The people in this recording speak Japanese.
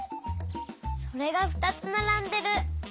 それがふたつならんでる。